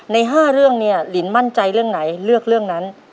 ใน๕เรื่องเนี่ยลินมั่นใจเรื่องไหนเลือกเรื่องนั้น